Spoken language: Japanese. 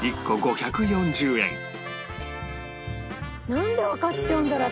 なんでわかっちゃうんだろう？